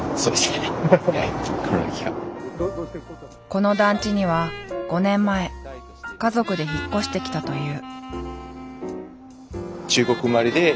この団地には５年前家族で引っ越してきたという。